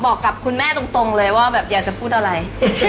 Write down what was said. บอกกับคุณแม่ตรงเลยว่าแบบอยากจะพูดอะไร